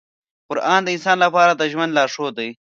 قرآن د انسان لپاره د ژوند لارښود دی.